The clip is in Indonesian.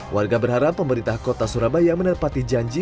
warga berharap pemerintah kota surabaya menerpati janji